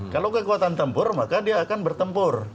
kalau kekuatan tempur maka dia akan bertempur